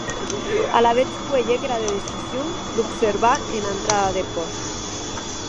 Alavetz cuelhec era decision d’observar ena entrada deth bòsc.